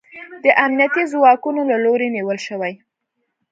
د امنیتي ځواکونو له لوري نیول شوی